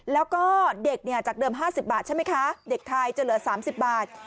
แล้วก็เด็กเนี่ยจากเดิม๕๐บาทใช่ไหมคะเด็กไทยจะเหลือ๓๐บาท